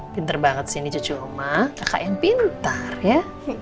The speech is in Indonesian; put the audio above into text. pintar banget sih ini cucu rumah kakak yang pintar ya